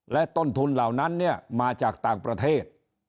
และต้นทุนเหล่านั้นมาจากต่างประเทศ